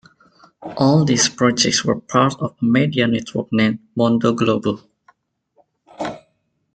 All these projects were part of a media network named MondoGlobo.